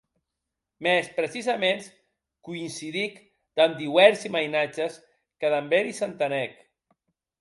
Mès precisaments coïncidic damb diuèrsi mainatges que damb eri s'entenec.